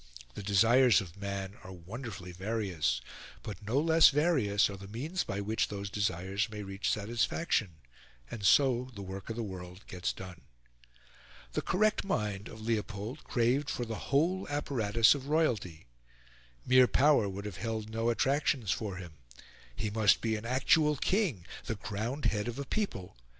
The desires of man are wonderfully various; but no less various are the means by which those desires may reach satisfaction: and so the work of the world gets done. The correct mind of Leopold craved for the whole apparatus of royalty. Mere power would have held no attractions for him; he must be an actual king the crowned head of a people.